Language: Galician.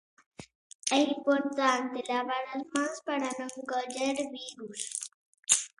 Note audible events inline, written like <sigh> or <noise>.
É importante lavar as mans para non coller virus. <noise>